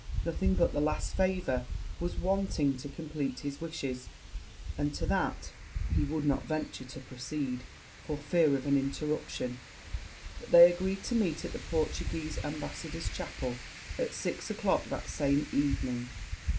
Nothing but the last favour was wanting to compleat his wishes; and to that he would not venture to proceed, for fear of an interruption: but they agreed to meet at the Portuguese ambassador's chapel at six o'clock that same evening.